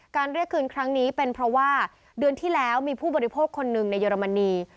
เรียกคืนครั้งนี้เป็นเพราะว่าเดือนที่แล้วมีผู้บริโภคคนหนึ่งในเยอรมนี